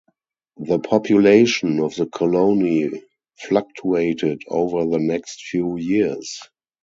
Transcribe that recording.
The population of the colony fluctuated over the next few years.